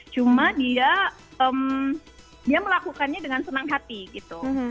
cuma dia melakukannya dengan senang hati gitu